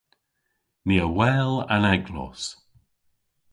Ni a wel an eglos.